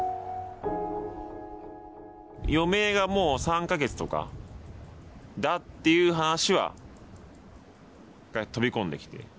余命がもう３か月とかだっていう話が飛び込んできて。